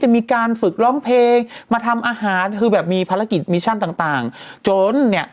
มีต้นตะเคียนเนี่ยหลายต้นนะ